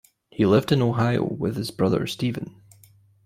He lived in Ohio with his brother Stephen.